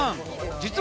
実は。